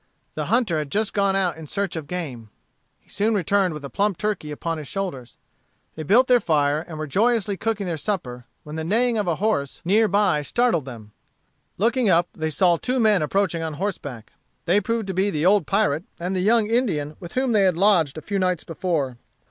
The hunter had just gone out in search of game. He soon returned with a plump turkey upon his shoulders. They built their fire, and were joyously cooking their supper, when the neighing of a horse near by startled them. Looking up, they saw two men approaching on horseback. They proved to be the old pirate and the young Indian with whom they had lodged a few nights before.